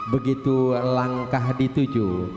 begitu langkah dituju